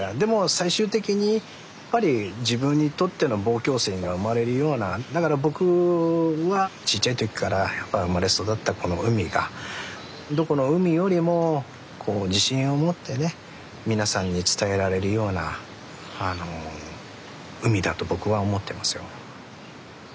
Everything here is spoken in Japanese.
最終的にやっぱり自分にとっての望郷心が生まれるようなだから僕はちっちゃい時からやっぱ生まれ育ったこの海がどこの海よりも自信を持ってね皆さんに伝えられるような海だと僕は思ってますよ。